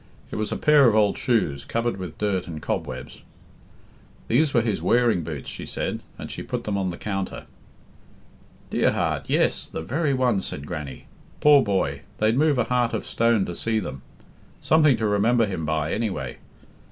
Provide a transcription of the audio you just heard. It was a pair of old shoes, covered with dirt and cobwebs. "These were his wearing boots," she said, and she put them on the counter. "Dear heart, yes, the very ones," said Grannie. "Poor boy, they'd move a heart of stone to see them. Something to remember him by, anyway.